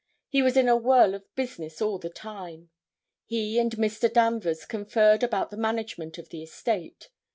He was in a whirl of business all the time. He and Mr. Danvers conferred about the management of the estate.